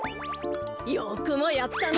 よくもやったな。